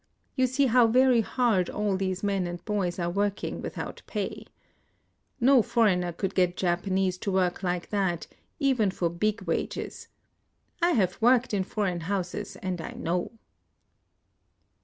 You see how very hard all these men and boys are working without pay. IN OSAKA 183 No foreigner could get Japanese to work like that, even for big wages. I have worked in foreign houses, and I know."